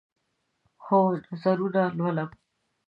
هو، نظرونه لولم